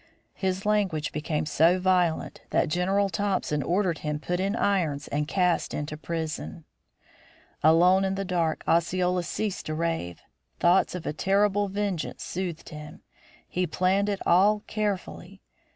His language became so violent that General Thompson ordered him put in irons and cast into prison. Alone in the dark, Osceola ceased to rave. Thoughts of a terrible vengeance soothed him. He planned it all carefully.